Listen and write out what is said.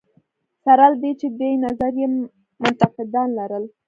سره له دې چې دې نظریې منتقدان لرل.